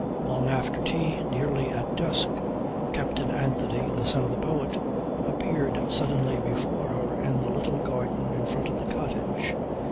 Long after tea, nearly at dusk, Captain Anthony (the son of the poet) appeared suddenly before her in the little garden in front of the cottage.